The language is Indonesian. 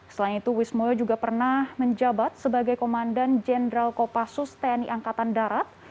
selain itu wismoyo juga pernah menjabat sebagai komandan jenderal kopassus tni angkatan darat